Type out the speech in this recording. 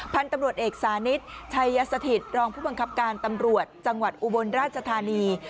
พันธุ์ตำรวจเอกสานิทชัยสถิตรองผู้บังคับการตำรวจจังหวัดอุบลราชธานี